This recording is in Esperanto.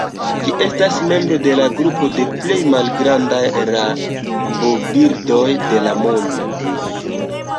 Ĝi estas membro de la grupo de plej malgrandaj rabobirdoj de la mondo.